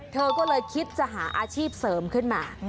เธอก็เลยคิดจะหาอาชีพเสริมขึ้นมา